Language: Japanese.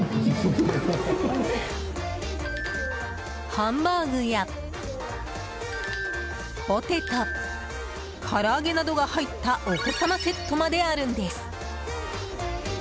ハンバーグやポテト唐揚げなどが入ったお子様セットまであるんです。